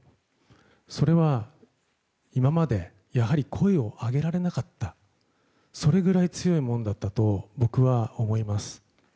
それは今までやはり声を上げられなかったそれぐらい強いものだったと僕は思います。